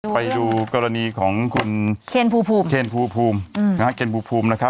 ไปดูกรณีของคุณเคนภูมิ